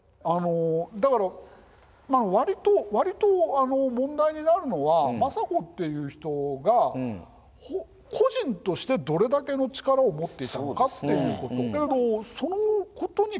あのだからまあ割と問題になるのは政子っていう人が個人としてどれだけの力を持っていたのかっていうこと。